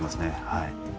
はい。